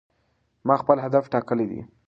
ما خپل هدف ټاکلی دی.